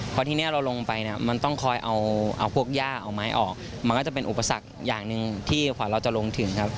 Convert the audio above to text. พอทีนี้เราลงไปเนี่ยมันต้องคอยเอาพวกย่าเอาไม้ออกมันก็จะเป็นอุปสรรคอย่างหนึ่งที่กว่าเราจะลงถึงครับ